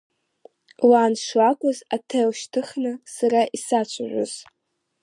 Лан шлакәыз аҭел шьҭыхны сара исацәажәоз.